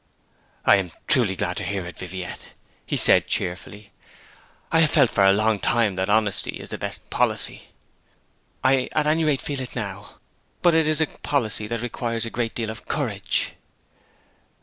'I am truly glad to hear it, Viviette,' said he cheerfully. 'I have felt for a long time that honesty is the best policy.' 'I at any rate feel it now. But it is a policy that requires a great deal of courage!'